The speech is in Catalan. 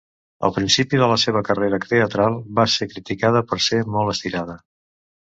Al principi de la seva carrera teatral, va ser criticada per ser molt estirada.